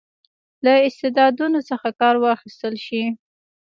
له استعدادونو څخه کار واخیستل شي.